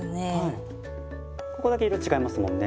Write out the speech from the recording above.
ここだけ色違いますもんね。